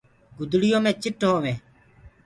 گُدڙيو مي چٽ هووينٚ